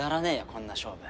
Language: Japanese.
こんな勝負。